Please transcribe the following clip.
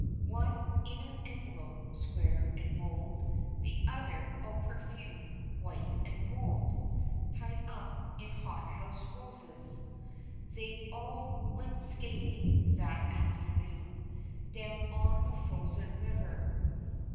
One in an envelope square and bold, The other all perfume, white and gold, Tied up in hot house roses. They all went skating that afternoon Down on the frozen river.